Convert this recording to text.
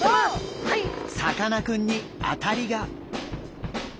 さかなクンに当たりが！